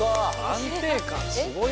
安定感すごい。